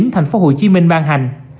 tp hcm ban hành